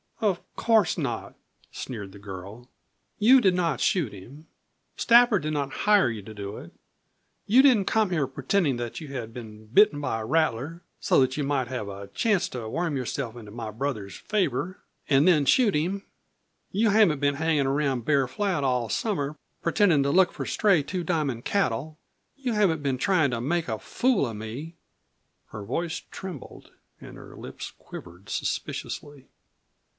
"Of course not," sneered the girl. "You did not shoot him. Stafford did not hire you to do it. You didn't come here, pretending that you had been bitten by a rattler, so that you might have a chance to worm yourself into my brother's favor and then shoot him. You haven't been hanging around Bear Flat all summer, pretending to look for stray Two Diamond cattle. You haven't been trying to make a fool of me " Her voice trembled and her lips quivered suspiciously.